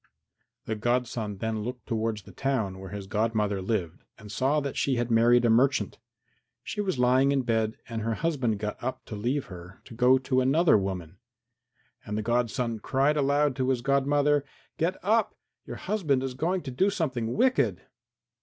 The godson then looked towards the town where his godmother lived and saw that she had married a merchant. She was lying in bed and her husband got up to leave her to go to another woman. And the godson cried aloud to his godmother, "Get up! Your husband is going to do something wicked!"